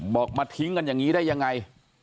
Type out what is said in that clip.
บอกมาทิ้งกันอย่างนี้ได้ยังไง